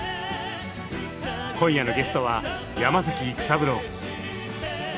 今夜のゲストは山崎育三郎。